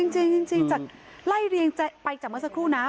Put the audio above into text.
จริงจากไล่เรียงไปจากเมื่อสักครู่นะ